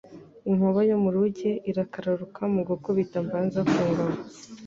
Inkuba yo mu ruge irakararukaMu gukubita mbanza ku ngabo